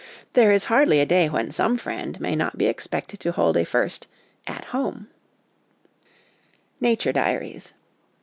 There is hardly a day when some friend may not be expected to hold a first ' At Home.' Nature Diaries.